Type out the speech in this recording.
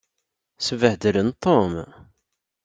Sbehdlen Tom.